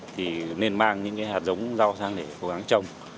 thì nên mang những cái hạt giống rau sang để cố gắng trồng